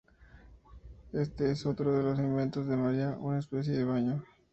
Este es otro de los inventos de María, una especie de baño.